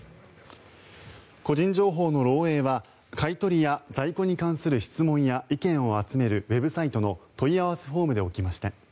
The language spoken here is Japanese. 個人情報の漏えいは買い取りや在庫に関する質問や意見を集めるウェブサイトの問い合わせフォームで起きました。